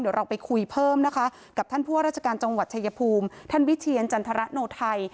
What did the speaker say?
เดี๋ยวเราไปคุยเพิ่มนะคะกับท่านผู้ว่าราชการจังหวัดชายภูมิท่านวิเทียนจันทรโนไทย